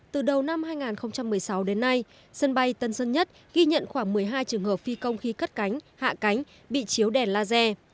từ đầu năm hai nghìn một mươi sáu đến nay sân bay tân sơn nhất ghi nhận khoảng một mươi hai trường hợp phi công khi cất cánh hạ cánh bị chiếu đèn laser